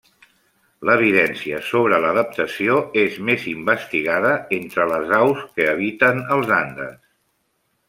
L'evidència sobre l'adaptació és més investigada entre les aus que habiten als Andes.